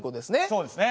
そうですね。